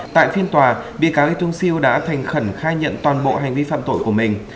tại phiên tòa bị cáo y tung siu đã thành khẩn khai nhận toàn bộ hành vi phạm tội của mình